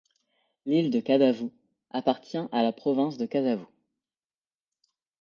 L'île de Kadavu appartient à la province de Kadavu.